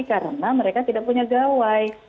karena mereka tidak punya gawai